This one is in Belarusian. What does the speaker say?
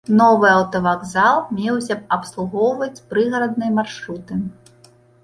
Новы аўтавакзал меўся б абслугоўваць прыгарадныя маршруты.